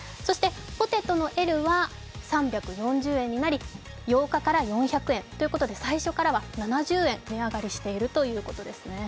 ポテトのＬは３４０円になり、８日から４００円ということで最初からは７０円値上がりしているということですね。